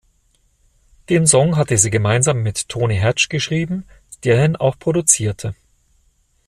Den Song hatte sie gemeinsam mit Tony Hatch geschrieben, der ihn auch produzierte.